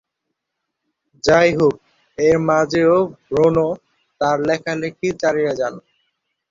যাই হোক, এর মাঝেও ব্রুনো তাঁর লেখালেখি চালিয়ে যান।